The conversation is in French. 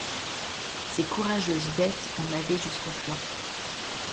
Ces courageuses bêtes en avaient jusqu’aux flancs.